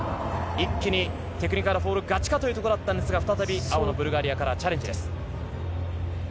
一気にテクニカルフォール勝ちかというところだったんですが、再び、あおのブルガリアからチャレンジです。